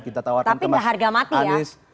kita tawarkan ke mas anies